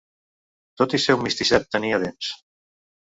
Tot i ser un misticet tenia dents.